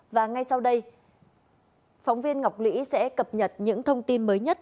và ngay sau đây phóng viên ngọc lũy sẽ cập nhật những thông tin mới nhất